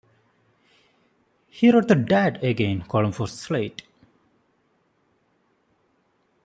He wrote the "Dad Again" column for "Slate".